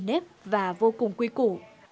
rất nề nếp và vô cùng quý củ